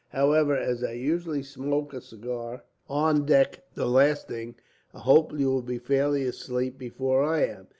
However, as I usually smoke a cigar on deck, the last thing, I hope you will be fairly asleep before I am.